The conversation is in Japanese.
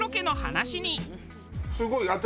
すごい私